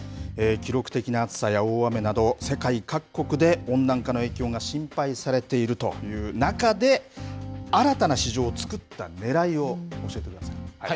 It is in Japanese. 記録的な暑さや大雨など、世界各国で温暖化の影響が心配されているという中で、新たな市場を作ったねらいを教えてください。